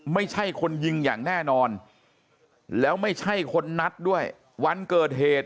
ไม่ใช่คนยิงอย่างแน่นอนแล้วไม่ใช่คนนัดด้วยวันเกิดเหตุ